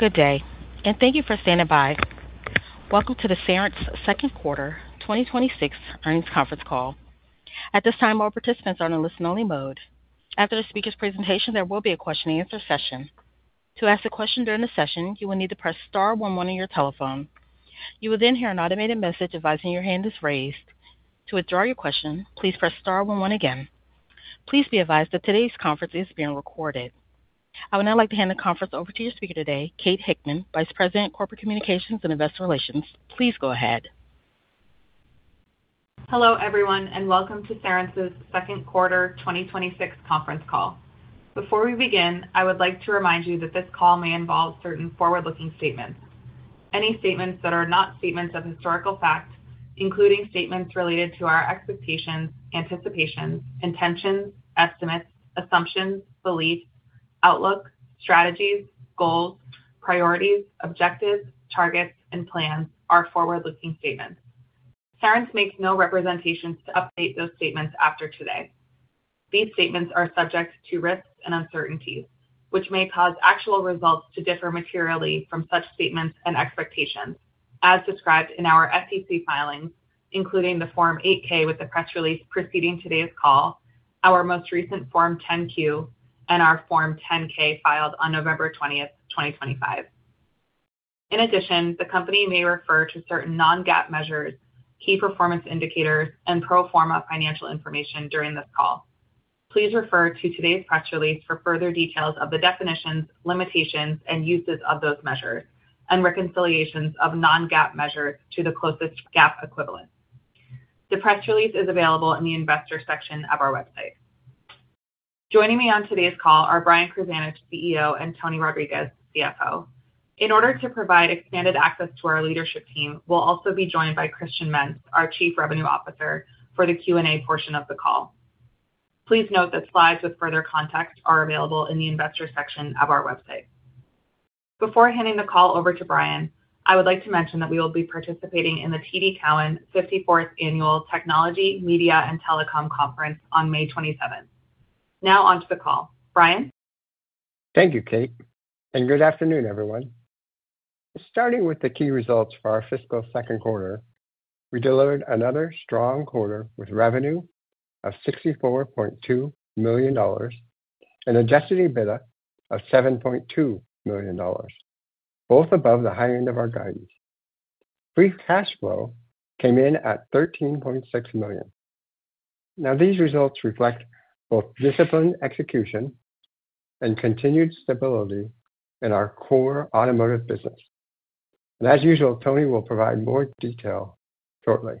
Good day, and thank you for standing by. Welcome to the Cerence second quarter 2026 earnings conference call. At this time, all participants are in a listen only mode. After the speaker's presentation, there will be a question and answer session. Please be advised that today's conference is being recorded. I would now like to hand the conference over to your speaker today, Kate Hickman, Vice President, Corporate Communications and Investor Relations. Please go ahead. Hello, everyone, welcome to Cerence's second quarter 2026 conference call. Before we begin, I would like to remind you that this call may involve certain forward-looking statements. Any statements that are not statements of historical fact, including statements related to our expectations, anticipations, intentions, estimates, assumptions, beliefs, outlooks, strategies, goals, priorities, objectives, targets, and plans are forward-looking statements. Cerence makes no representations to update those statements after today. These statements are subject to risks and uncertainties, which may cause actual results to differ materially from such statements and expectations as described in our SEC filings, including the Form 8-K with the press release preceding today's call, our most recent Form 10-Q, and our Form 10-K filed on November 20th, 2025. In addition, the company may refer to certain non-GAAP measures, key performance indicators, and pro forma financial information during this call. Please refer to today's press release for further details of the definitions, limitations, and uses of those measures and reconciliations of non-GAAP measures to the closest GAAP equivalent. The press release is available in the investor section of our website. Joining me on today's call are Brian Krzanich, CEO, and Tony Rodriquez, CFO. In order to provide expanded access to our leadership team, we'll also be joined by Christian Mentz, our Chief Revenue Officer, for the Q&A portion of the call. Please note that slides with further context are available in the investor section of our website. Before handing the call over to Brian, I would like to mention that we will be participating in the TD Cowen 54th Annual Technology, Media, and Telecom Conference on May 27th. Now onto the call. Brian? Thank you, Kate. Good afternoon, everyone. Starting with the key results for our fiscal second quarter, we delivered another strong quarter with revenue of $64.2 million and adjusted EBITDA of $7.2 million, both above the high end of our guidance. Free cash flow came in at $13.6 million. These results reflect both disciplined execution and continued stability in our core automotive business. As usual, Tony will provide more detail shortly.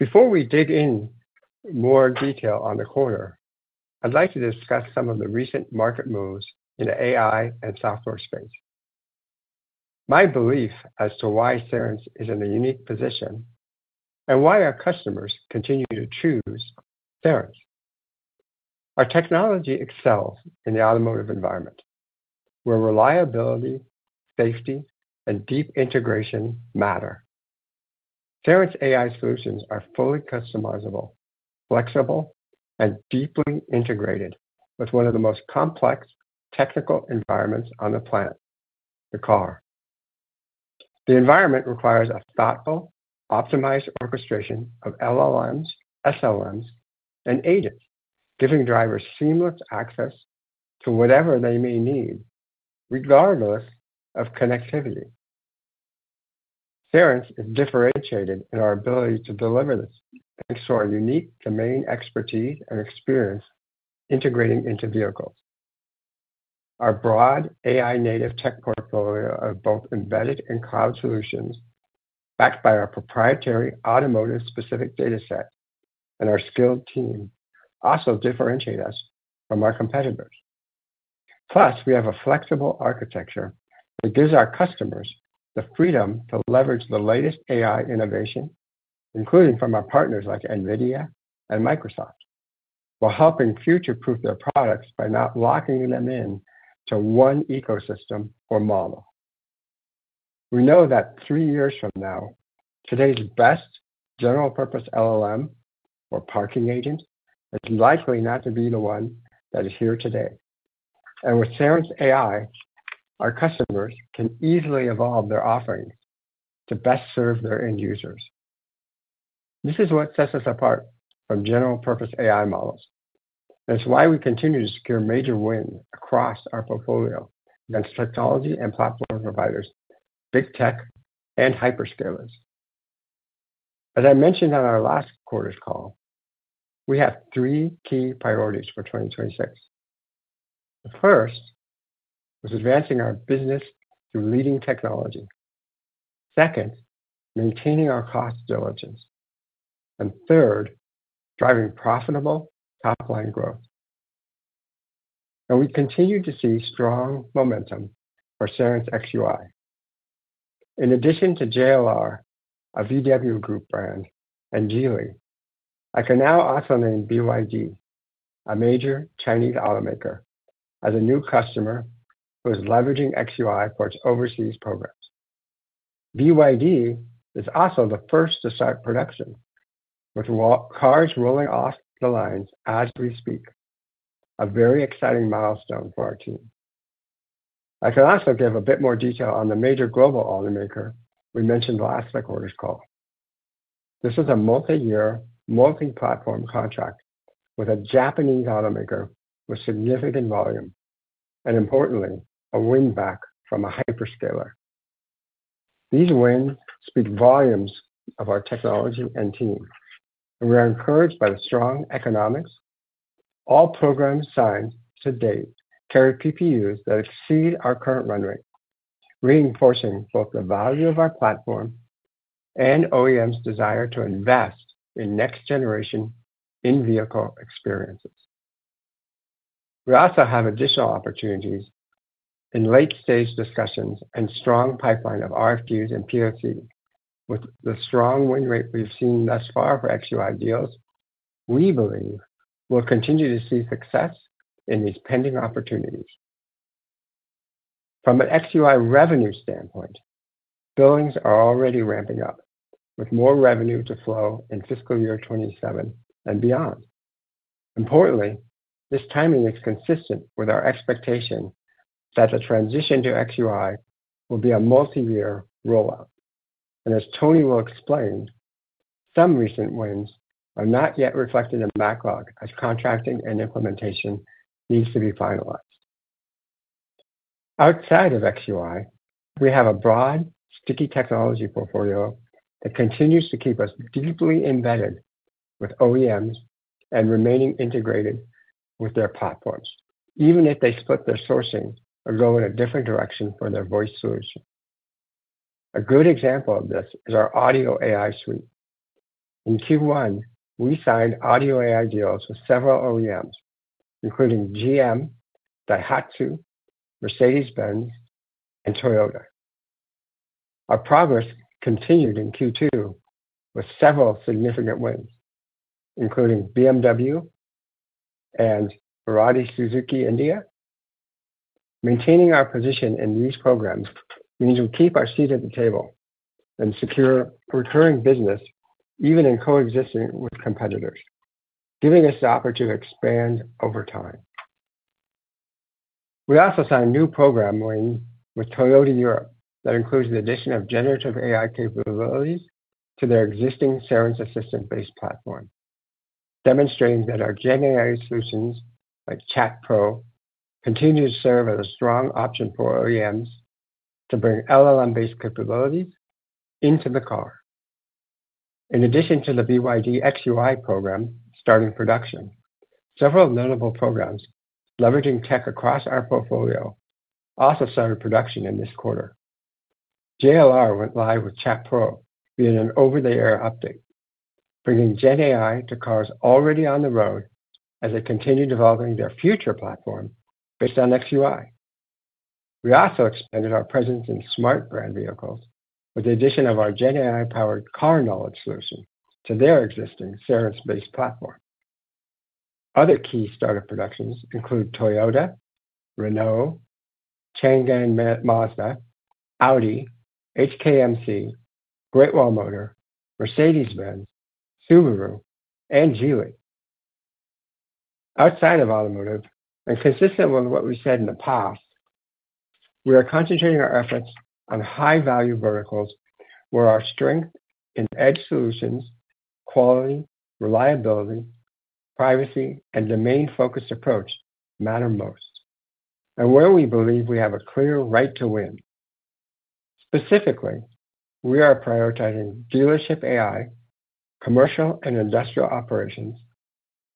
Before we dig in more detail on the quarter, I'd like to discuss some of the recent market moves in the AI and software space. My belief as to why Cerence is in a unique position and why our customers continue to choose Cerence. Our technology excels in the automotive environment where reliability, safety, and deep integration matter. Cerence AI solutions are fully customizable, flexible, and deeply integrated with one of the most complex technical environments on the planet, the car. The environment requires a thoughtful, optimized orchestration of LLMs, SLMs, and agents, giving drivers seamless access to whatever they may need regardless of connectivity. Cerence is differentiated in our ability to deliver this thanks to our unique domain expertise and experience integrating into vehicles. Our broad AI-native tech portfolio of both embedded and cloud solutions, backed by our proprietary automotive specific dataset and our skilled team, also differentiate us from our competitors. We have a flexible architecture that gives our customers the freedom to leverage the latest AI innovation, including from our partners like NVIDIA and Microsoft, while helping future-proof their products by not locking them in to one ecosystem or model. We know that three years from now, today's best general purpose LLM or parking agent is likely not to be the one that is here today. With Cerence AI, our customers can easily evolve their offering to best serve their end users. This is what sets us apart from general purpose AI models. That's why we continue to secure major wins across our portfolio against technology and platform providers, big tech, and hyperscalers. As I mentioned on our last quarter's call, we have three key priorities for 2026. The first is advancing our business through leading technology. Second, maintaining our cost diligence. Third, driving profitable top-line growth. We continue to see strong momentum for Cerence xUI. In addition to JLR, a VW Group brand, and Geely, I can now also name BYD, a major Chinese automaker, as a new customer who is leveraging xUI for its overseas programs. BYD is also the first to start production, with cars rolling off the lines as we speak. A very exciting milestone for our team. I can also give a bit more detail on the major global automaker we mentioned last quarter's call. This is a multi-year, multi-platform contract with a Japanese automaker with significant volume, and importantly, a win-back from a hyperscaler. These wins speak volumes of our technology and team, and we are encouraged by the strong economics. All programs signed to date carry PPUs that exceed our current run rate, reinforcing both the value of our platform and OEMs' desire to invest in next generation in-vehicle experiences. We also have additional opportunities in late-stage discussions and strong pipeline of RFQs and PFC. With the strong win rate we've seen thus far for xUI deals, we believe we'll continue to see success in these pending opportunities. From an xUI revenue standpoint, billings are already ramping up, with more revenue to flow in fiscal year 2027 and beyond. Importantly, this timing is consistent with our expectation that the transition to xUI will be a multi-year rollout. As Tony will explain, some recent wins are not yet reflected in backlog as contracting and implementation needs to be finalized. Outside of xUI, we have a broad, sticky technology portfolio that continues to keep us deeply embedded with OEMs and remaining integrated with their platforms, even if they split their sourcing or go in a different direction for their voice solution. A good example of this is our Audio AI suite. In Q1, we signed Audio AI deals with several OEMs, including GM, Daihatsu, Mercedes-Benz, and Toyota. Our progress continued in Q2 with several significant wins, including BMW and Maruti Suzuki India. Maintaining our position in these programs means we keep our seat at the table and secure recurring business, even in coexisting with competitors, giving us the opportunity to expand over time. We also signed a new program win with Toyota Europe that includes the addition of generative AI capabilities to their existing Cerence Assistant-based platform, demonstrating that our Gen AI solutions, like Chat Pro, continue to serve as a strong option for OEMs to bring LLM-based capabilities into the car. In addition to the BYD xUI program starting production, several notable programs leveraging tech across our portfolio also started production in this quarter. JLR went live with Chat Pro via an over-the-air update, bringing Gen AI to cars already on the road as they continue developing their future platform based on xUI. We also expanded our presence in Smart brand vehicles with the addition of our Gen AI-powered car knowledge solution to their existing Cerence-based platform. Other key startup productions include Toyota, Renault, Changan Mazda, Audi, HKMC, Great Wall Motor, Mercedes-Benz, Subaru, and Geely. Outside of automotive, and consistent with what we said in the past, we are concentrating our efforts on high-value verticals where our strength in edge solutions, quality, reliability, privacy, and domain-focused approach matter most. Where we believe we have a clear right to win. Specifically, we are prioritizing dealership AI, commercial and industrial operations,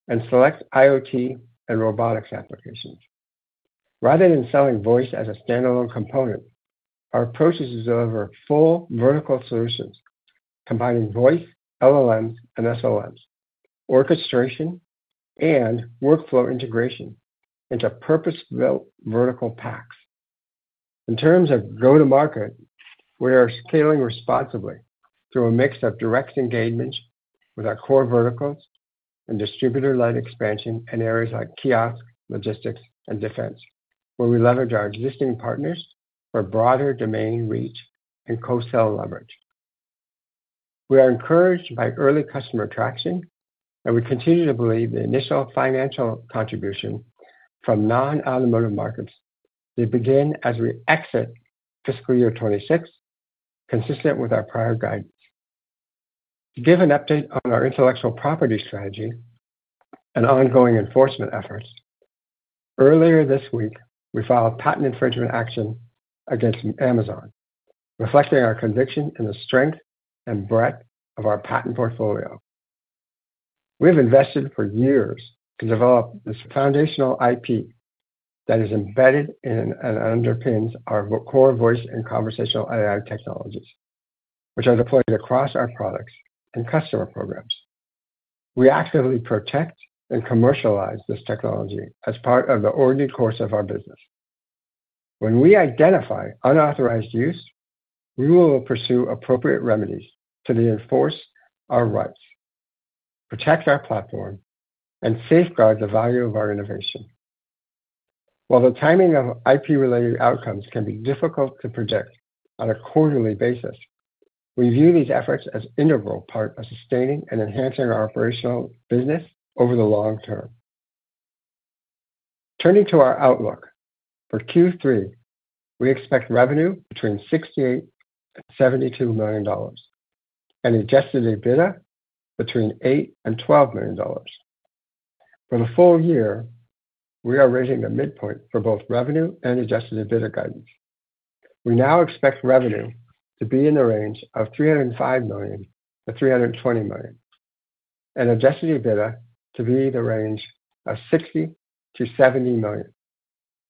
and select IoT and robotics applications. Rather than selling voice as a standalone component, our approach is to deliver full vertical solutions combining voice, LLMs, and SLMs, orchestration, and workflow integration into purpose-built vertical packs. In terms of go-to-market, we are scaling responsibly through a mix of direct engagements with our core verticals and distributor-led expansion in areas like kiosk, logistics, and defense, where we leverage our existing partners for broader domain reach and co-sell leverage. We are encouraged by early customer traction. We continue to believe the initial financial contribution from non-automotive markets will begin as we exit fiscal year 2026, consistent with our prior guidance. To give an update on our intellectual property strategy and ongoing enforcement efforts, earlier this week, we filed patent infringement action against Amazon, reflecting our conviction in the strength and breadth of our patent portfolio. We have invested for years to develop this foundational IP that is embedded in and underpins our core voice and conversational AI technologies, which are deployed across our products and customer programs. We actively protect and commercialize this technology as part of the ordinary course of our business. When we identify unauthorized use, we will pursue appropriate remedies to reinforce our rights, protect our platform, and safeguard the value of our innovation. While the timing of IP-related outcomes can be difficult to predict on a quarterly basis, we view these efforts as integral part of sustaining and enhancing our operational business over the long term. Turning to our outlook. For Q3, we expect revenue between $68 million and $72 million, and adjusted EBITDA between $8 million and $12 million. For the full year, we are raising the midpoint for both revenue and adjusted EBITDA guidance. We now expect revenue to be in the range of $305 million-$320 million, adjusted EBITDA to be in the range of $60 million-$70 million.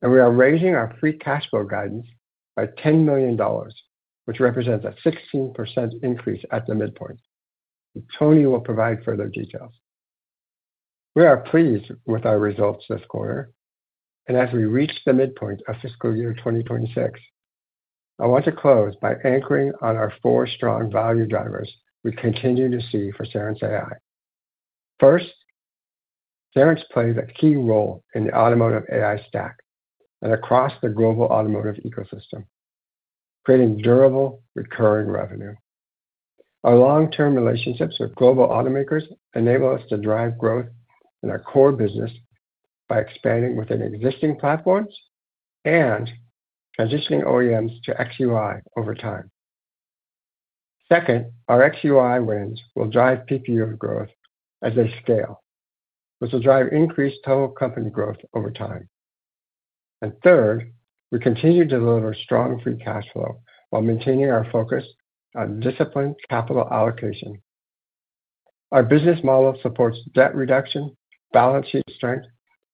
We are raising our free cash flow guidance by $10 million, which represents a 16% increase at the midpoint. Tony will provide further details. We are pleased with our results this quarter, as we reach the midpoint of fiscal year 2026, I want to close by anchoring on our four strong value drivers we continue to see for Cerence AI. First, Cerence plays a key role in the automotive AI stack and across the global automotive ecosystem, creating durable recurring revenue. Our long-term relationships with global automakers enable us to drive growth in our core business by expanding within existing platforms and transitioning OEMs to xUI over time. Second, our xUI wins will drive PPU growth as they scale, which will drive increased total company growth over time. Third, we continue to deliver strong free cash flow while maintaining our focus on disciplined capital allocation. Our business model supports debt reduction, balance sheet strength,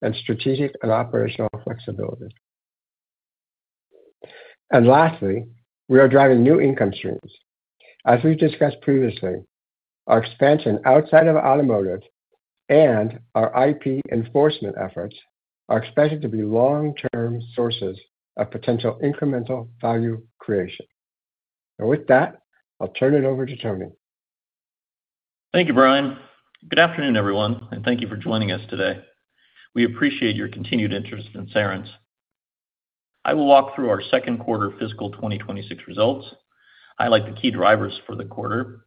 and strategic and operational flexibility. Lastly, we are driving new income streams. As we've discussed previously, our expansion outside of automotive and our IP enforcement efforts are expected to be long-term sources of potential incremental value creation. With that, I'll turn it over to Tony. Thank you, Brian. Good afternoon, everyone, and thank you for joining us today. We appreciate your continued interest in Cerence. I will walk through our second quarter fiscal 2026 results, highlight the key drivers for the quarter,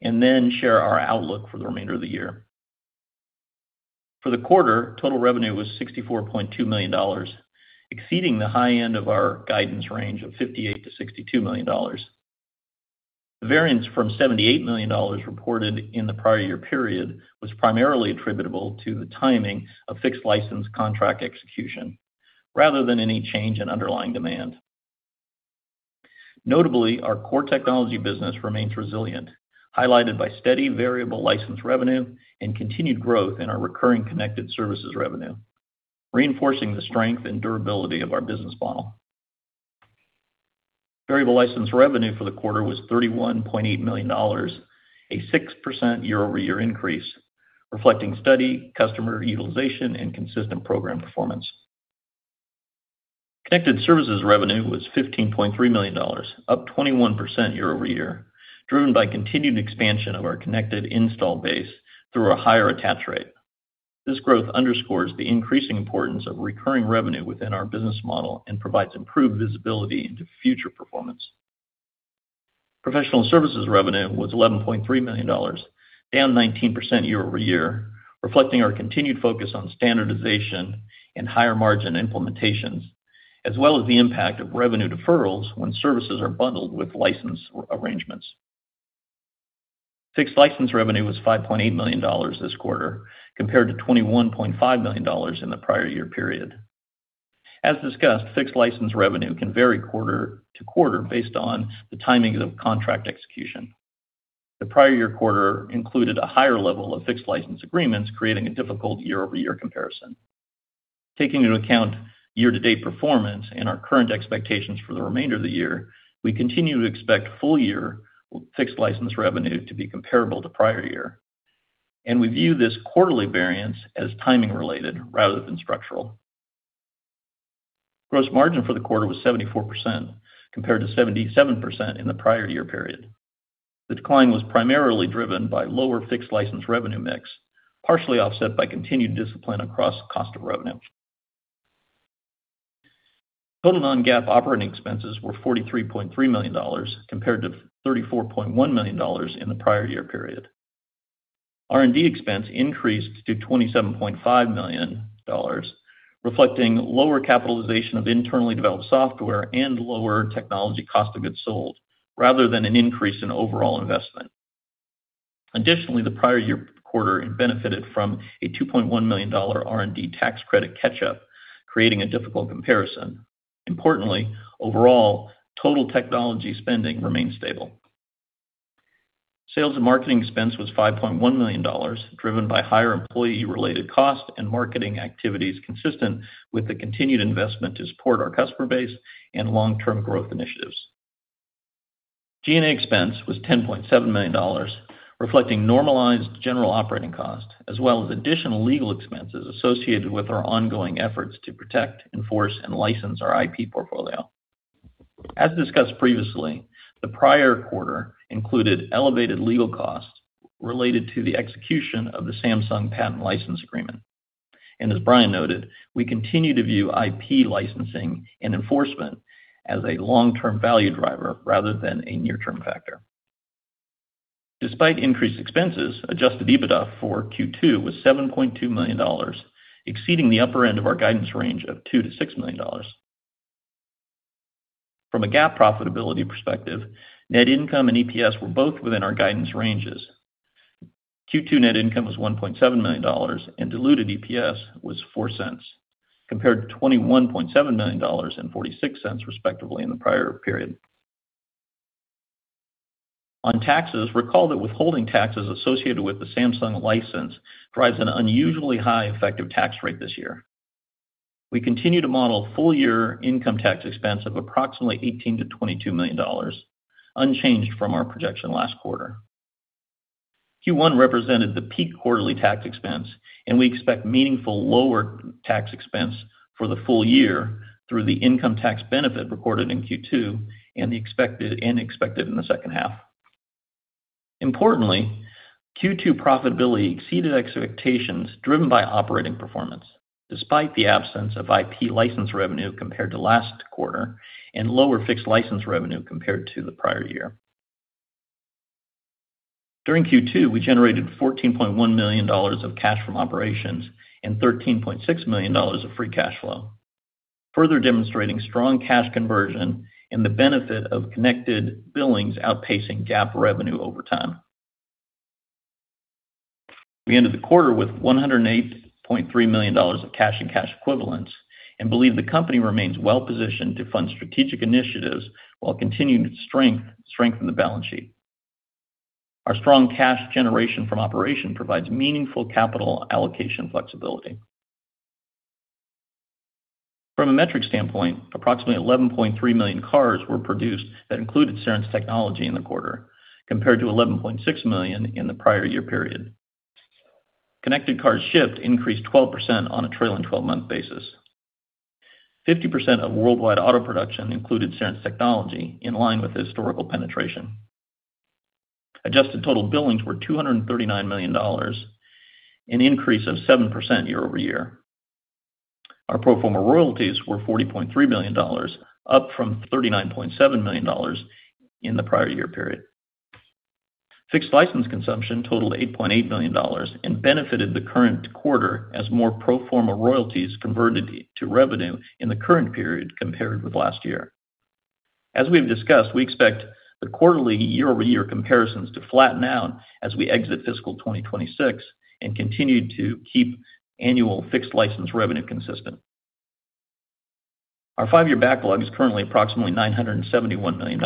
and then share our outlook for the remainder of the year. For the quarter, total revenue was $64.2 million, exceeding the high end of our guidance range of $58 million-$62 million. The variance from $78 million reported in the prior year period was primarily attributable to the timing of fixed license contract execution rather than any change in underlying demand. Notably, our core technology business remains resilient, highlighted by steady variable license revenue and continued growth in our recurring connected services revenue, reinforcing the strength and durability of our business model. Variable license revenue for the quarter was $31.8 million, a 6% year-over-year increase, reflecting steady customer utilization and consistent program performance. connected services revenue was $15.3 million, up 21% year-over-year, driven by continued expansion of our connected install base through a higher attach rate. This growth underscores the increasing importance of recurring revenue within our business model and provides improved visibility into future performance. professional services revenue was $11.3 million, down 19% year-over-year, reflecting our continued focus on standardization and higher-margin implementations, as well as the impact of revenue deferrals when services are bundled with license arrangements. Fixed license revenue was $5.8 million this quarter, compared to $21.5 million in the prior year period. As discussed, fixed license revenue can vary quarter to quarter based on the timing of contract execution. The prior year quarter included a higher level of fixed license agreements, creating a difficult year-over-year comparison. Taking into account year-to-date performance and our current expectations for the remainder of the year, we continue to expect full-year fixed license revenue to be comparable to prior year, and we view this quarterly variance as timing related rather than structural. Gross margin for the quarter was 74%, compared to 77% in the prior year period. The decline was primarily driven by lower fixed license revenue mix, partially offset by continued discipline across cost of revenue. Total non-GAAP operating expenses were $43.3 million compared to $34.1 million in the prior year period. R&D expense increased to $27.5 million, reflecting lower capitalization of internally developed software and lower technology cost of goods sold rather than an increase in overall investment. Additionally, the prior year quarter benefited from a $2.1 million R&D tax credit catch-up, creating a difficult comparison. Importantly, overall, total technology spending remained stable. Sales and marketing expense was $5.1 million, driven by higher employee-related costs and marketing activities consistent with the continued investment to support our customer base and long-term growth initiatives. G&A expense was $10.7 million, reflecting normalized general operating cost as well as additional legal expenses associated with our ongoing efforts to protect, enforce, and license our IP portfolio. As discussed previously, the prior quarter included elevated legal costs related to the execution of the Samsung patent license agreement. As Brian noted, we continue to view IP licensing and enforcement as a long-term value driver rather than a near-term factor. Despite increased expenses, adjusted EBITDA for Q2 was $7.2 million, exceeding the upper end of our guidance range of $2 million-$6 million. From a GAAP profitability perspective, net income and EPS were both within our guidance ranges. Q2 net income was $1.7 million, and diluted EPS was $0.04, compared to $21.7 million and $0.46 respectively in the prior period. On taxes, recall that withholding taxes associated with the Samsung license drives an unusually high effective tax rate this year. We continue to model full year income tax expense of approximately $18 million-$22 million, unchanged from our projection last quarter. Q1 represented the peak quarterly tax expense, and we expect meaningfully lower tax expense for the full year through the income tax benefit recorded in Q2 and expected in the second half. Importantly, Q2 profitability exceeded expectations driven by operating performance, despite the absence of IP license revenue compared to last quarter and lower fixed license revenue compared to the prior year. During Q2, we generated $14.1 million of cash from operations and $13.6 million of free cash flow, further demonstrating strong cash conversion and the benefit of connected billings outpacing GAAP revenue over time. We ended the quarter with $108.3 million of cash and cash equivalents and believe the company remains well-positioned to fund strategic initiatives while continuing to strengthen the balance sheet. Our strong cash generation from operation provides meaningful capital allocation flexibility. From a metric standpoint, approximately 11.3 million cars were produced that included Cerence technology in the quarter, compared to 11.6 million in the prior year period. Connected cars shipped increased 12% on a trailing twelve-month basis. 50% of worldwide auto production included Cerence technology in line with historical penetration. Adjusted total billings were $239 million, an increase of 7% year-over-year. Our pro forma royalties were $40.3 million, up from $39.7 million in the prior year period. Fixed license consumption totaled $8.8 million and benefited the current quarter as more pro forma royalties converted to revenue in the current period compared with last year. As we have discussed, we expect the quarterly year-over-year comparisons to flatten out as we exit fiscal 2026 and continue to keep annual fixed license revenue consistent. Our five-year backlog is currently approximately $971 million,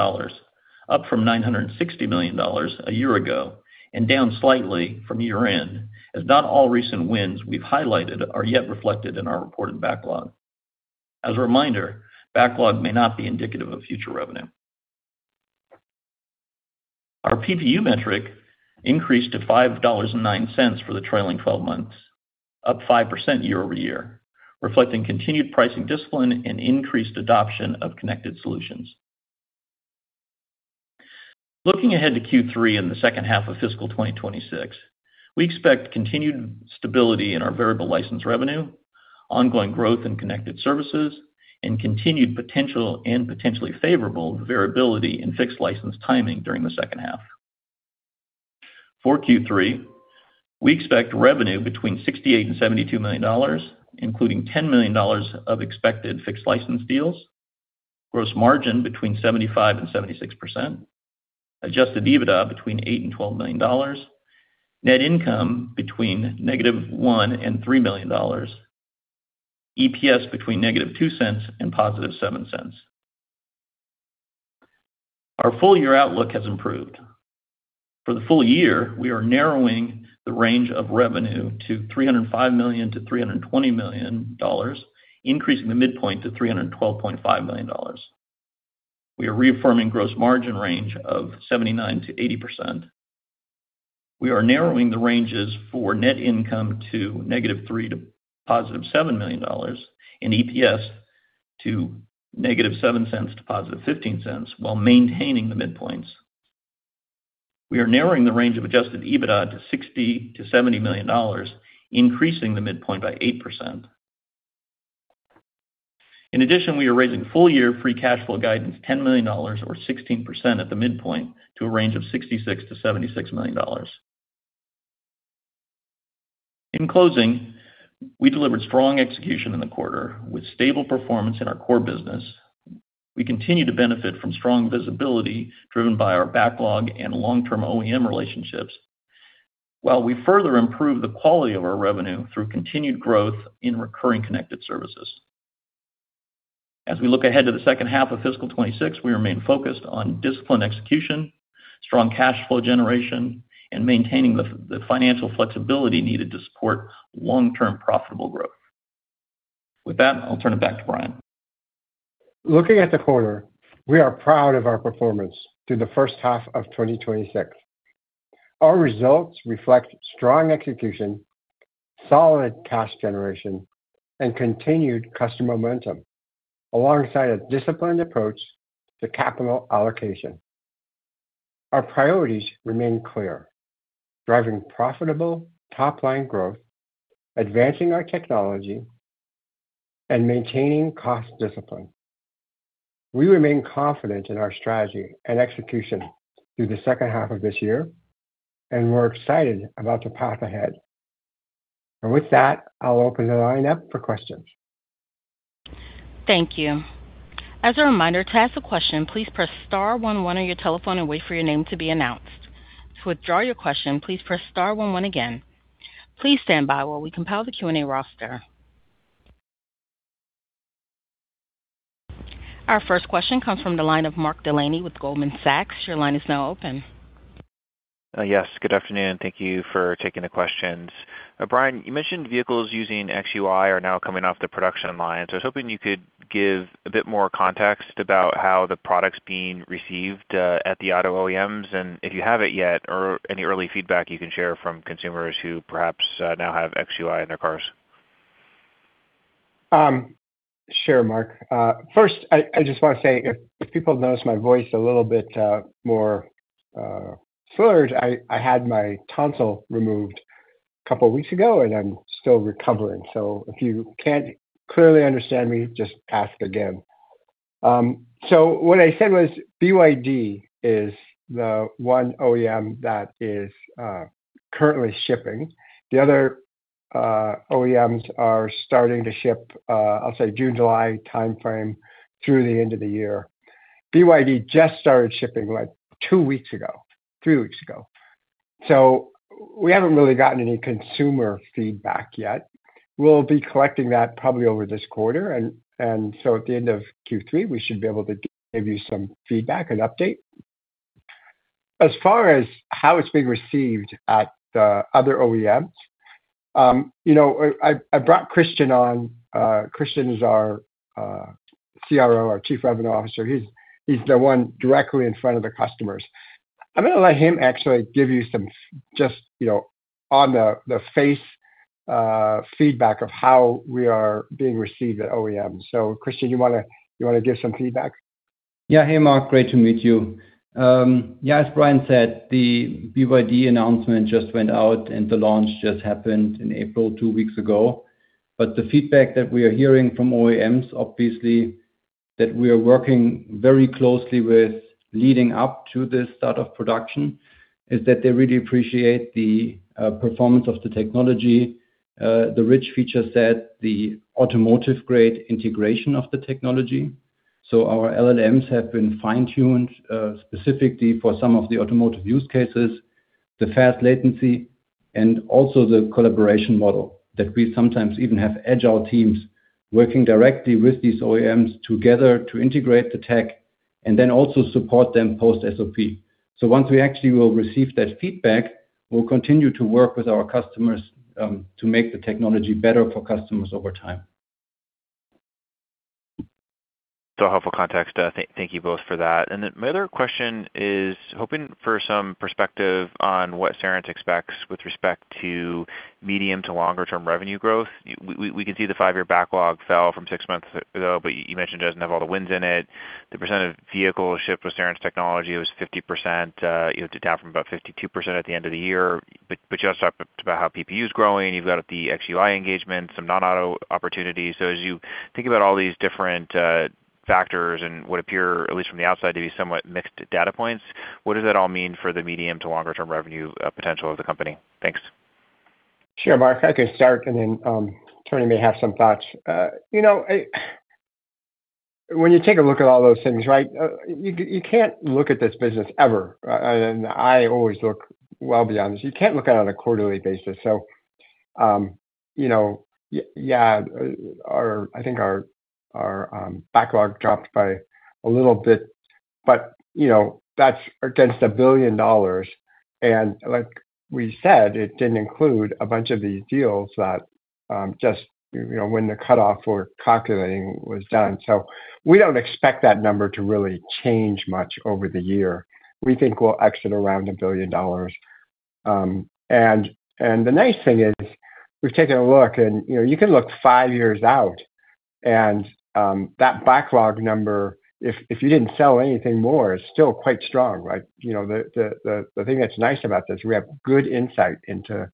up from $960 million a year ago and down slightly from year-end, as not all recent wins we've highlighted are yet reflected in our reported backlog. As a reminder, backlog may not be indicative of future revenue. Our PPU metric increased to $5.09 for the trailing 12 months, up 5% year-over-year, reflecting continued pricing discipline and increased adoption of connected solutions. Looking ahead to Q3 in the second half of fiscal 2026, we expect continued stability in our variable license revenue, ongoing growth in connected services, and continued potential and potentially favorable variability in fixed license timing during the second half. For Q3, we expect revenue between $68 million and $72 million, including $10 million of expected fixed license deals, gross margin between 75% and 76%, adjusted EBITDA between $8 million and $12 million, net income between negative $1 million and $3 million, EPS between negative $0.02 and positive $0.07. Our full year outlook has improved. For the full year, we are narrowing the range of revenue to $305 million-$320 million, increasing the midpoint to $312.5 million. We are reaffirming gross margin range of 79%-80%. We are narrowing the ranges for net income to -$3 million to +$7 million and EPS to -$0.07 to +$0.15 while maintaining the midpoints. We are narrowing the range of adjusted EBITDA to $60 million-$70 million, increasing the midpoint by 8%. We are raising full-year free cash flow guidance $10 million or 16% at the midpoint to a range of $66 million-$76 million. We delivered strong execution in the quarter with stable performance in our core business. We continue to benefit from strong visibility driven by our backlog and long-term OEM relationships, while we further improve the quality of our revenue through continued growth in recurring connected services. As we look ahead to the second half of fiscal 2026, we remain focused on disciplined execution, strong cash flow generation, and maintaining the financial flexibility needed to support long-term profitable growth. With that, I'll turn it back to Brian. Looking at the quarter, we are proud of our performance through the first half of 2026. Our results reflect strong execution, solid cash generation, and continued customer momentum, alongside a disciplined approach to capital allocation. Our priorities remain clear, driving profitable top-line growth, advancing our technology, and maintaining cost discipline. We remain confident in our strategy and execution through the second half of this year, and we're excited about the path ahead. With that, I'll open the line up for questions. Our first question comes from the line of Mark Delaney with Goldman Sachs. Your line is now open. Yes, good afternoon. Thank you for taking the questions. Brian, you mentioned vehicles using xUI are now coming off the production line. I was hoping you could give a bit more context about how the product's being received at the auto OEMs and if you have it yet or any early feedback you can share from consumers who perhaps now have xUI in their cars. Sure, Mark. First, I just want to say if people notice my voice a little bit more slurred, I had my tonsil removed a couple weeks ago, and I am still recovering. If you cannot clearly understand me, just ask again. What I said was BYD is the 1 OEM that is currently shipping. The other OEMs are starting to ship, I will say June, July timeframe through the end of the year. BYD just started shipping, like, two weeks ago, three weeks ago. We have not really gotten any consumer feedback yet. We will be collecting that probably over this quarter and so at the end of Q3, we should be able to give you some feedback and update. As far as how it is being received at the other OEMs, you know, I brought Christian on. Christian is our CRO, our Chief Revenue Officer. He's the one directly in front of the customers. I'm gonna let him actually give you some just, you know, on the face feedback of how we are being received at OEM. Christian, you wanna give some feedback? Hey, Mark, great to meet you. Yeah, as Brian said, the BYD announcement just went out, and the launch just happened in April, two weeks ago. The feedback that we are hearing from OEMs, obviously, that we are working very closely with leading up to this start of production, is that they really appreciate the performance of the technology, the rich feature set, the automotive-grade integration of the technology. Our LLMs have been fine-tuned specifically for some of the automotive use cases, the fast latency, and also the collaboration model, that we sometimes even have agile teams working directly with these OEMs together to integrate the tech and then also support them post-SOP. Once we actually will receive that feedback, we'll continue to work with our customers to make the technology better for customers over time. Helpful context. Thank you both for that. My other question is hoping for some perspective on what Cerence expects with respect to medium to longer term revenue growth. We can see the five-year backlog fell from 6 months ago, you mentioned it doesn't have all the wins in it. The percent of vehicles shipped with Cerence technology, it was 50%, you know, down from about 52% at the end of the year. You also talked about how PPU is growing. You've got the xUI engagement, some non-auto opportunities. As you think about all these different factors and what appear, at least from the outside, to be somewhat mixed data points, what does that all mean for the medium to longer term revenue potential of the company? Thanks. Sure, Mark. I can start and then Tony may have some thoughts. You know, when you take a look at all those things, right, you can't look at this business ever, and I always look well beyond this. You can't look at it on a quarterly basis. You know, I think our backlog dropped by a little bit, but, you know, that's against $1 billion. Like we said, it didn't include a bunch of these deals that, you know, when the cutoff for calculating was done. We don't expect that number to really change much over the year. We think we'll exit around a billion dollar. The nice thing is we've taken a look and, you know, you can look five years out and that backlog number, if you didn't sell anything more, is still quite strong, right. You know, the thing that's nice about this, we have good insight into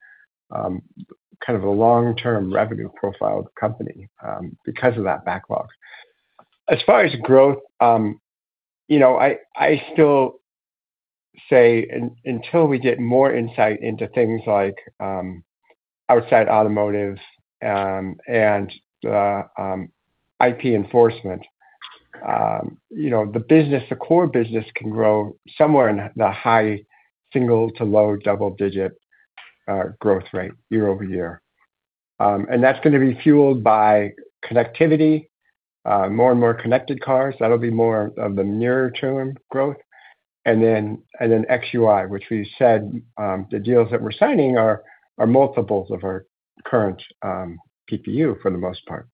kind of a long-term revenue profile of the company because of that backlog. As far as growth, you know, I still say until we get more insight into things like outside automotive and IP enforcement, you know, the business, the core business can grow somewhere in the high single to low double-digit growth rate year-over-year. That's gonna be fueled by connectivity, more and more connected cars. That'll be more of the near-term growth. xUI, which we said, the deals that we're signing are multiples of our current PPU for the most part.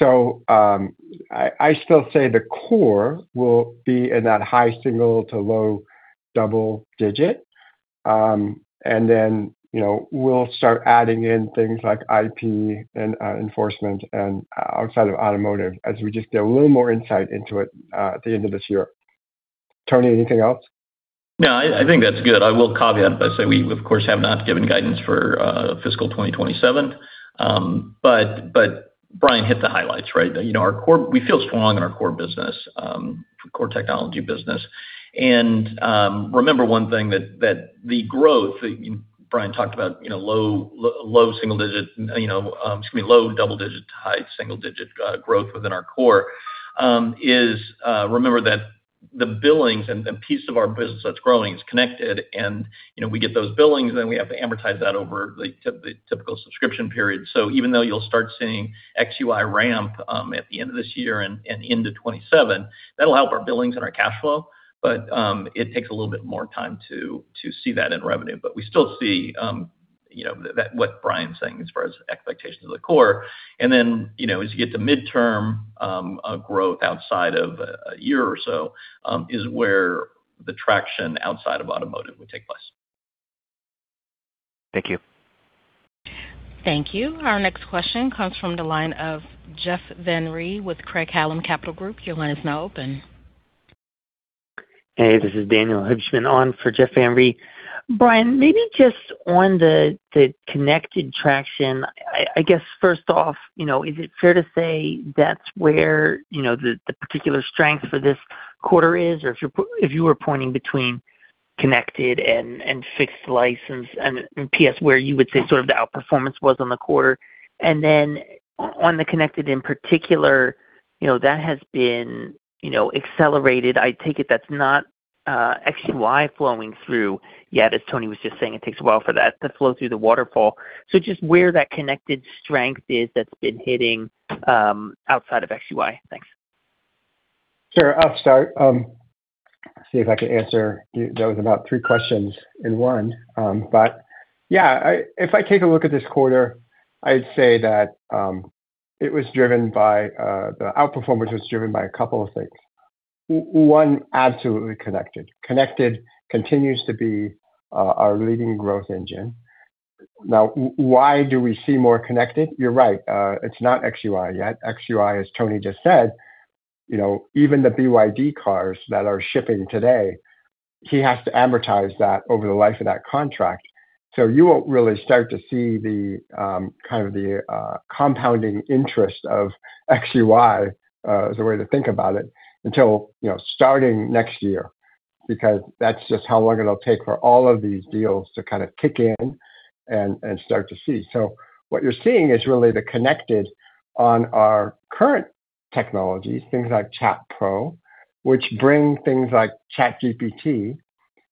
I still say the core will be in that high single to low double-digit. You know, we'll start adding in things like IP and enforcement and outside of automotive as we just get a little more insight into it at the end of this year. Tony, anything else? No, I think that's good. I will caveat by saying we of course have not given guidance for fiscal 2027. Brian hit the highlights, right? You know, our core, we feel strong in our core business, core technology business. Remember one thing that the growth that Brian talked about, you know, low single-digit, you know, excuse me, low double-digit to high single-digit growth within our core is, remember that the billings and the piece of our business that's growing is Connected and, you know, we get those billings, then we have to amortize that over the typical subscription period. Even though you'll start seeing xUI ramp at the end of this year and into 2027, that'll help our billings and our cash flow, but it takes a little bit more time to see that in revenue. We still see, you know, that what Brian's saying as far as expectations of the core. Then, you know, as you get to midterm growth outside of a year or so is where the traction outside of automotive would take place. Thank you. Thank you. Our next question comes from the line of Jeff Van Rhee with Craig-Hallum Capital Group. Your line is now open. Hey, this is Daniel Hibshman on for Jeff Van Rhee. Brian, maybe just on the connected traction. I guess, first off, you know, is it fair to say that's where, you know, the particular strength for this quarter is? Or if you were pointing between connected and fixed license and PS, where you would say sort of the outperformance was on the quarter. On the connected in particular, you know, that has been, you know, accelerated. I take it that's not xUI flowing through yet, as Tony was just saying. It takes a while for that to flow through the waterfall. Just where that connected strength is that's been hitting outside of xUI. Thanks. Sure. I'll start. See if I can answer you. That was about three questions in one. Yeah, if I take a look at this quarter, I'd say that it was driven by the outperformance was driven by a couple of things. One, absolutely connected. Connected continues to be our leading growth engine. Now, why do we see more connected? You're right. It's not xUI yet. xUI, as Tony just said, you know, even the BYD cars that are shipping today, he has to amortize that over the life of that contract. You won't really start to see the kind of the compounding interest of xUI as a way to think about it, until, you know, starting next year, because that's just how long it'll take for all of these deals to kind of kick in and start to see. What you're seeing is really the connected on our current technologies, things like Chat Pro, which bring things like ChatGPT.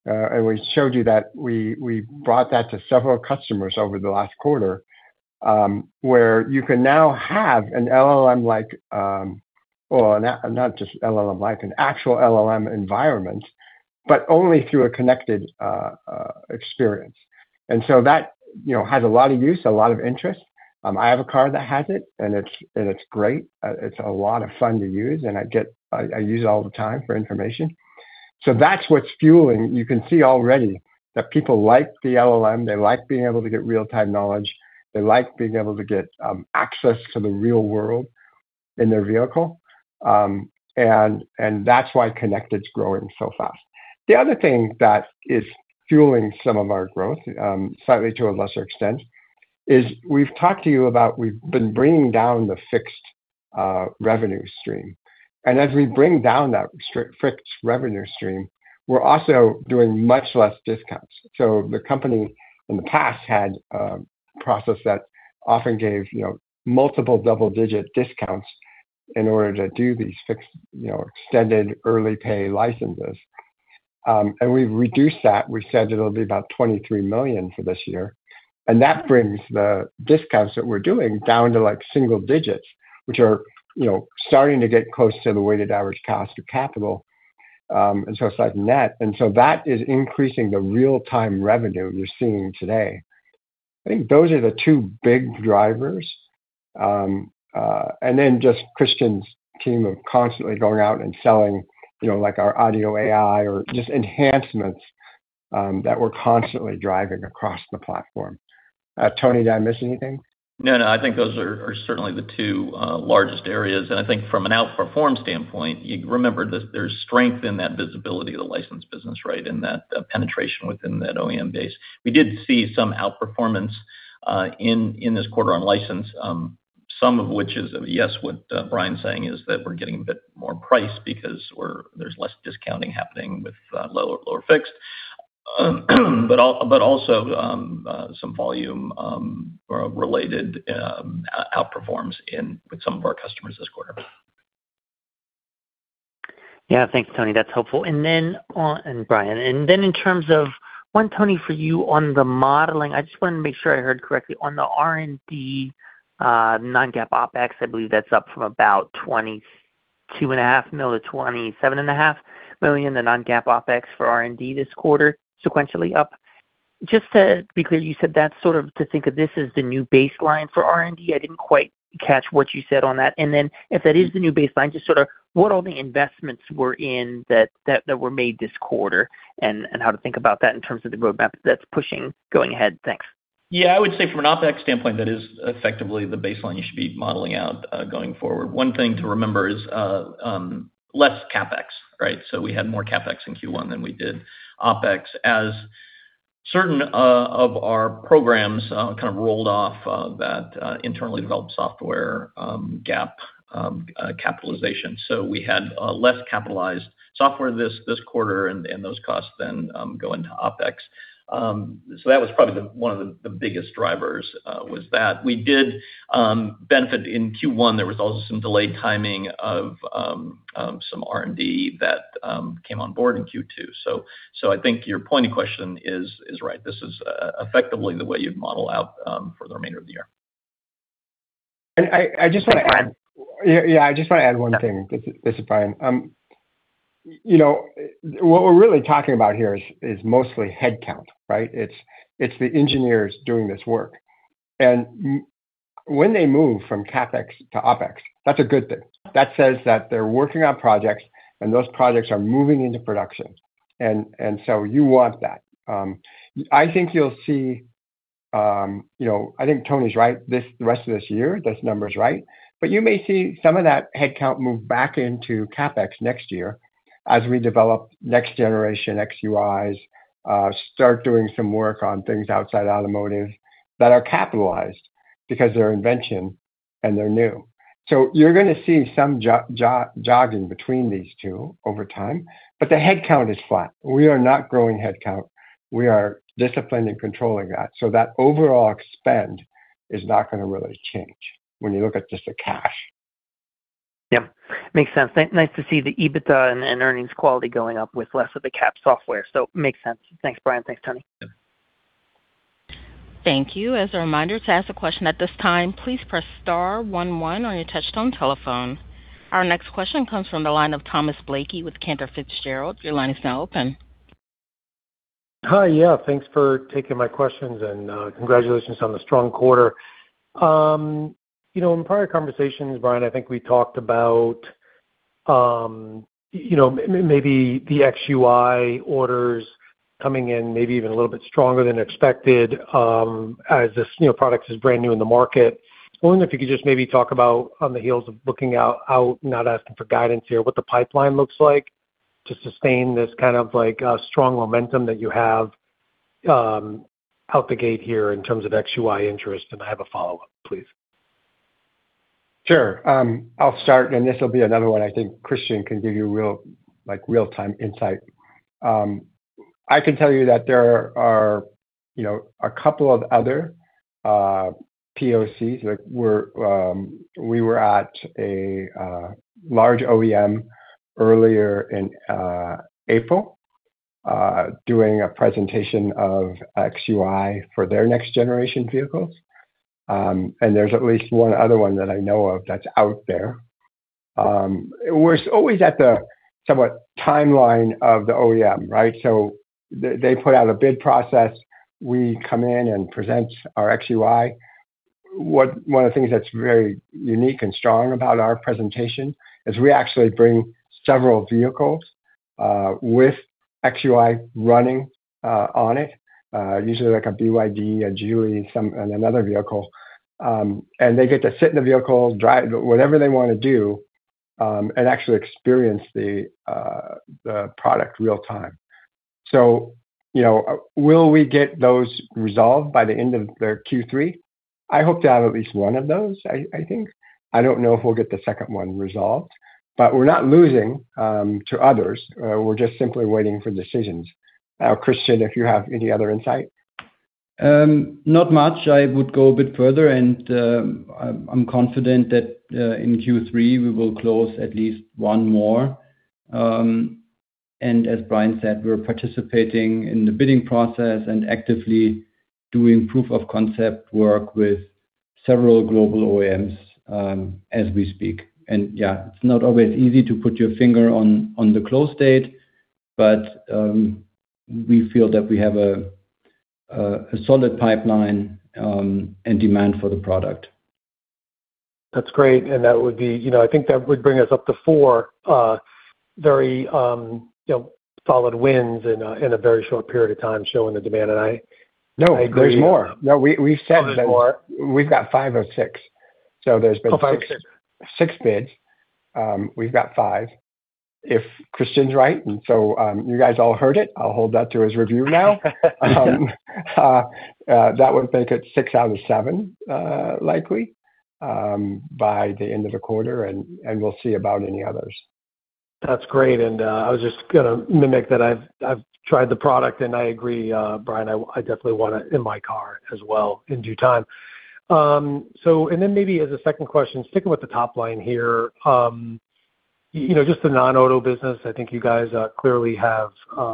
And we showed you that we brought that to several customers over the last quarter, where you can now have an LLM like, or not just LLM-like, an actual LLM environment, but only through a connected experience. That, you know, has a lot of use, a lot of interest. I have a car that has it, and it's great. It's a lot of fun to use, and I use it all the time for information. That's what's fueling. You can see already that people like the LLM. They like being able to get real-time knowledge. They like being able to get access to the real world in their vehicle. That's why connected is growing so fast. The other thing that is fueling some of our growth, slightly to a lesser extent, is we've talked to you about we've been bringing down the fixed revenue stream. As we bring down that fixed revenue stream, we're also doing much less discounts. The company in the past had a process that often gave, you know, multiple double-digit discounts in order to do these fixed, you know, extended early pay licenses. We've reduced that. We said it'll be about $23 million for this year. That brings the discounts that we're doing down to like single digits, which are, you know, starting to get close to the weighted average cost of capital, and so it's like net. That is increasing the real-time revenue you're seeing today. I think those are the two big drivers. Just Christian's team of constantly going out and selling, you know, like our Audio AI or just enhancements that we're constantly driving across the platform. Tony, did I miss anything? I think those are certainly the two largest areas. I think from an outperformance standpoint, you remember this, there's strength in that visibility of the license business, right, in that penetration within that OEM base. We did see some outperformance in this quarter on license, some of which is, yes, what Brian's saying is that we're getting a bit more price because there's less discounting happening with lower fixed. Also, some volume related outperforms with some of our customers this quarter. Thanks, Tony. That's helpful. Brian, in terms of, one, Tony, for you on the modeling, I just wanted to make sure I heard correctly. On the R&D non-GAAP OpEx, I believe that's up from about $22.5 million-$27.5 million, the non-GAAP OpEx for R&D this quarter sequentially up. Just to be clear, you said that sort of to think of this as the new baseline for R&D. I didn't quite catch what you said on that. If that is the new baseline, just sort of what all the investments were in that were made this quarter and how to think about that in terms of the roadmap that's pushing going ahead. Thanks. Yeah. I would say from an OpEx standpoint, that is effectively the baseline you should be modeling out going forward. One thing to remember is less CapEx, right? We had more CapEx in Q1 than we did OpEx as certain of our programs kind of rolled off that internally developed software GAAP capitalization. We had less capitalized software this quarter and those costs then go into OpEx. That was probably one of the biggest drivers was that we did benefit in Q1. There was also some delayed timing of some R&D that came on board in Q2. I think your pointy question is right. This is effectively the way you'd model out for the remainder of the year. I just want to add. Thanks, Brian. Yeah. Yeah, I just wanna add one thing. This is Brian. you know, what we're really talking about here is mostly headcount, right? It's the engineers doing this work. When they move from CapEx to OpEx, that's a good thing. That says that they're working on projects, and those projects are moving into production. You want that. I think you'll see, you know, I think Tony's right, the rest of this year, this number's right. You may see some of that headcount move back into CapEx next year as we develop next generation xUIs, start doing some work on things outside automotive that are capitalized because they're invention and they're new. You're gonna see some jogging between these two over time, but the headcount is flat. We are not growing headcount. We are disciplined in controlling that. That overall spend is not gonna really change when you look at just the cash. Makes sense. Nice to see the EBITDA and earnings quality going up with less of the CapEx software. Makes sense. Thanks, Brian. Thanks, Tony. Yeah. Thank you. As a reminder, to ask a question at this time, please press star 11 on your touchtone telephone. Our next question comes from the line of Thomas Blakey with Cantor Fitzgerald. Your line is now open. Hi. Yeah. Thanks for taking my questions and congratulations on the strong quarter. You know, in prior conversations, Brian, I think we talked about, you know, maybe the xUI orders coming in maybe even a little bit stronger than expected, as this, you know, product is brand new in the market. I wonder if you could just maybe talk about on the heels of looking out, not asking for guidance here, what the pipeline looks like to sustain this kind of, like, strong momentum that you have out the gate here in terms of xUI interest. I have a follow-up, please. Sure. I'll start, this will be another one I think Christian can give you real-time insight. I can tell you that there are a couple of other POCs. We were at a large OEM earlier in April doing a presentation of xUI for their next generation vehicles. There's at least one other one that I know of that's out there. We're always at the somewhat timeline of the OEM, right? They put out a bid process, we come in and present our xUI. One of the things that's very unique and strong about our presentation is we actually bring several vehicles with xUI running on it, usually a BYD, a Geely, and another vehicle. They get to sit in the vehicle, drive, whatever they wanna do, and actually experience the product real-time. You know, will we get those resolved by the end of their Q3? I hope to have at least one of those, I think. I don't know if we'll get the second one resolved. We're not losing to others. We're just simply waiting for decisions. Christian, if you have any other insight? Not much. I would go a bit further, I'm confident that in Q3 we will close at least one more. As Brian said, we're participating in the bidding process and actively doing proof of concept work with several global OEMs as we speak. Yeah, it's not always easy to put your finger on the close date, but we feel that we have a solid pipeline and demand for the product. That's great. That would be You know, I think that would bring us up to four, very, you know, solid wins in a, in a very short period of time, showing the demand. No, there's more. I agree. No, we said. Oh, there's more? We've got five or six. There's been six. Oh, five or six. Six bids. We've got five. If Christian's right, you guys all heard it, I'll hold that to his review now. That would make it six out of seven, likely, by the end of the quarter, and we'll see about any others. That's great. I was just gonna mimic that I've tried the product, and I agree, Brian, I definitely want it in my car as well in due time. Maybe as a second question, sticking with the top line here, you know, just the non-auto business, I think you guys clearly have, you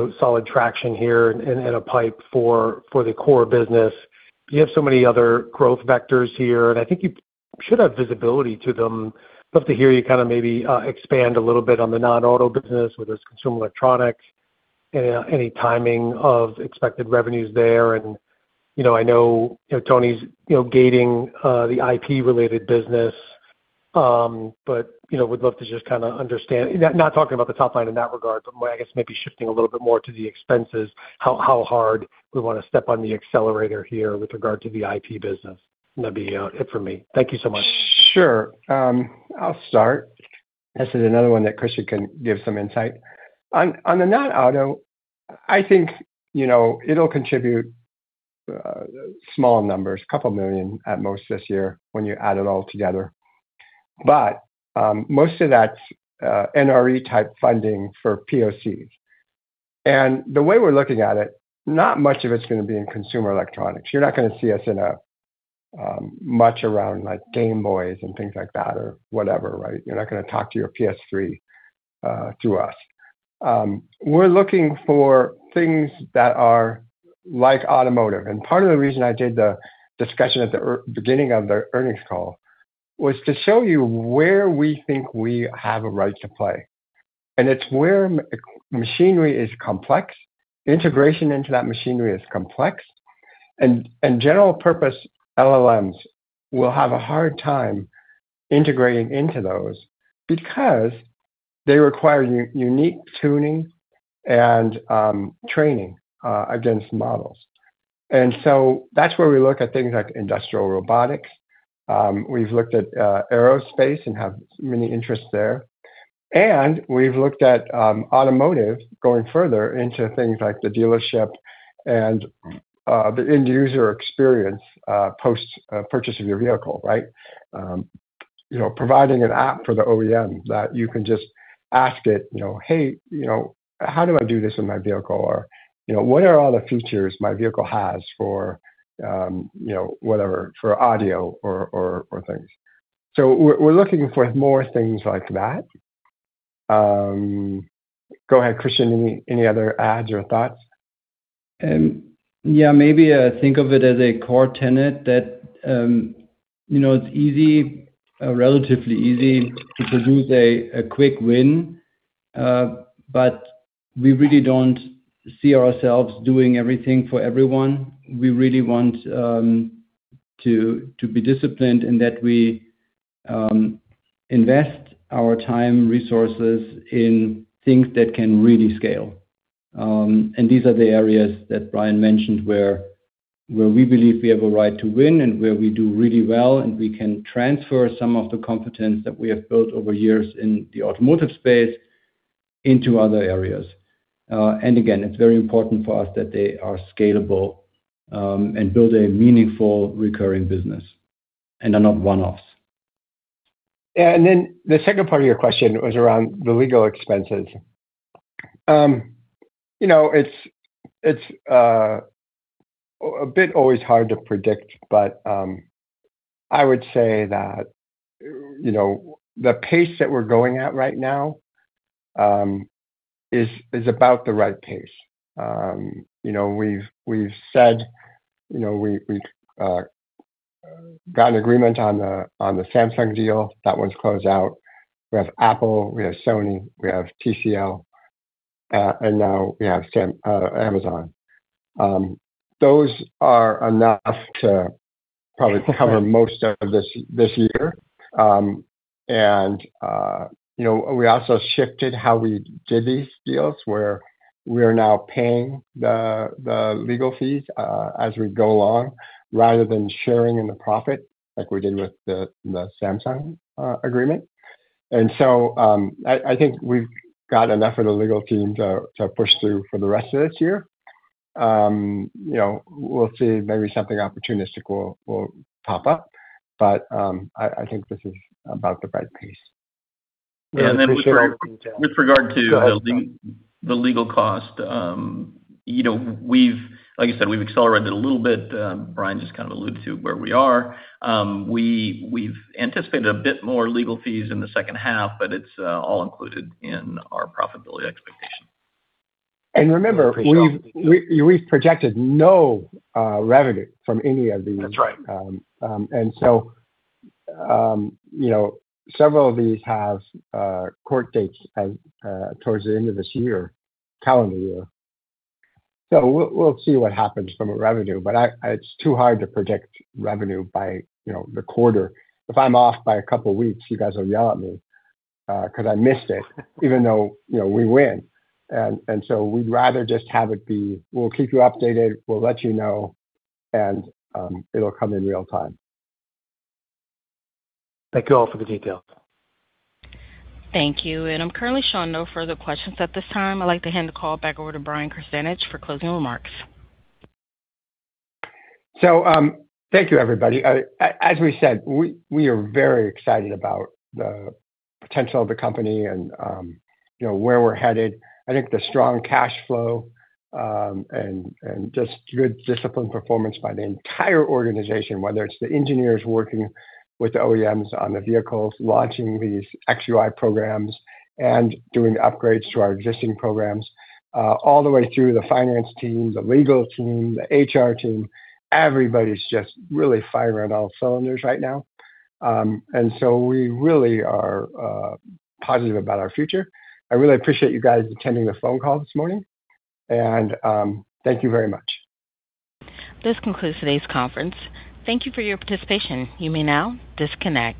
know, solid traction here and a pipe for the core business. You have so many other growth vectors here, and I think you should have visibility to them. Love to hear you kinda maybe expand a little bit on the non-auto business, whether it's consumer electronics, any timing of expected revenues there. You know, I know, you know, Tony's, you know, gating the IP-related business. You know, would love to just kinda understand not talking about the top line in that regard, but more, I guess, maybe shifting a little bit more to the expenses, how hard we wanna step on the accelerator here with regard to the IP business? That'd be it for me. Thank you so much. Sure. I'll start. This is another one that Christian can give some insight. On the non-auto, I think, you know, it'll contribute small numbers, $2 million at most this year when you add it all together. Most of that's NRE-type funding for POCs. The way we're looking at it, not much of it's gonna be in consumer electronics. You're not gonna see us in a much around like Game Boys and things like that or whatever, right? You're not gonna talk to your PS3 through us. We're looking for things that are like automotive. Part of the reason I did the discussion at the beginning of the earnings call was to show you where we think we have a right to play. It's where machinery is complex, integration into that machinery is complex, general purpose LLMs will have a hard time integrating into those because they require unique tuning and training against models. That's where we look at things like industrial robotics. We've looked at aerospace and have many interests there. We've looked at automotive going further into things like the dealership and the end user experience post purchase of your vehicle, right? You know, providing an app for the OEM that you can just ask it, you know, "Hey, you know, how do I do this in my vehicle?" Or, you know, "What are all the features my vehicle has for, you know, whatever, for audio or things?" We're looking for more things like that. Go ahead, Christian. Any other adds or thoughts? Yeah, maybe, think of it as a core tenet that, you know, it's easy, relatively easy to produce a quick win. We really don't see ourselves doing everything for everyone. We really want to be disciplined and that we invest our time, resources in things that can really scale. These are the areas that Brian mentioned where we believe we have a right to win and where we do really well, and we can transfer some of the competence that we have built over years in the automotive space into other areas. Again, it's very important for us that they are scalable and build a meaningful recurring business and are not one-offs. Yeah. The second part of your question was around the legal expenses. You know, it's a bit always hard to predict, but I would say that, you know, the pace that we're going at right now is about the right pace. You know, we've said, you know, we got an agreement on the Samsung deal. That one's closed out. We have Apple, we have Sony, we have TCL, now we have Amazon. Those are enough to probably cover most of this year. You know, we also shifted how we did these deals, where we're now paying the legal fees as we go along rather than sharing in the profit like we did with the Samsung agreement. I think we've got enough of the legal team to push through for the rest of this year. You know, we'll see, maybe something opportunistic will pop up. I think this is about the right pace. And then with regard- Appreciate all the details. With regard to. Go ahead, Tom. The legal cost, you know, like I said, we've accelerated a little bit. Brian just kind of alluded to where we are. We've anticipated a bit more legal fees in the second half, but it's all included in our profitability expectation. Remember... Appreciate all the details. We've projected no revenue from any of these. That's right. Several of these have court dates towards the end of this year, calendar year. We'll see what happens from a revenue, but I, it's too hard to predict revenue by the quarter. If I'm off by a couple weeks, you guys will yell at me 'cause I missed it, even though we win. We'd rather just have it be, we'll keep you updated, we'll let you know, and it'll come in real time. Thank you all for the details. Thank you. I'm currently showing no further questions at this time. I'd like to hand the call back over to Brian Krzanich for closing remarks. Thank you, everybody. As we said, we are very excited about the potential of the company and, you know, where we're headed. I think the strong cash flow, and just good disciplined performance by the entire organization, whether it's the engineers working with the OEMs on the vehicles, launching these xUI programs and doing upgrades to our existing programs, all the way through the finance team, the legal team, the HR team. Everybody's just really firing on all cylinders right now. We really are positive about our future. I really appreciate you guys attending the phone call this morning. Thank you very much. This concludes today's conference. Thank you for your participation. You may now disconnect.